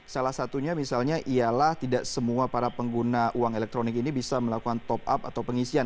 salah satunya misalnya ialah tidak semua para pengguna uang elektronik ini bisa melakukan top up atau pengisian